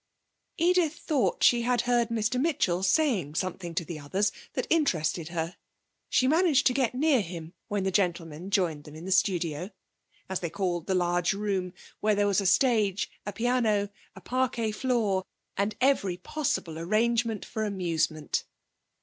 Edith thought she had heard Mr Mitchell saying something to the others that interested her. She managed to get near him when the gentlemen joined them in the studio, as they called the large room where there was a stage, a piano, a parquet floor, and every possible arrangement for amusement.